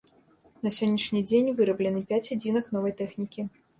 На сённяшні дзень выраблены пяць адзінак новай тэхнікі.